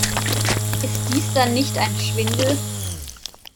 Ist dies dann nicht ein Schwindel?